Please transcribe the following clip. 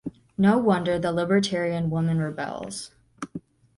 No wonder the libertarian woman rebels.